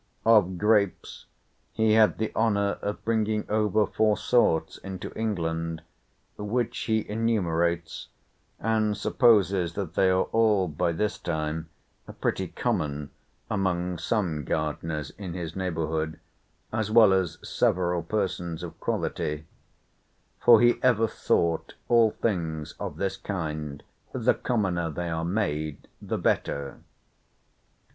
Of grapes he had the honour of bringing over four sorts into England, which he enumerates, and supposes that they are all by this time pretty common among some gardeners in his neighbourhood, as well as several persons of quality; for he ever thought all things of this kind "the commoner they are made the better."